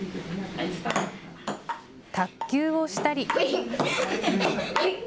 卓球をしたり。